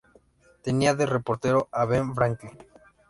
Tenía de "reportero" a Ben Franklin.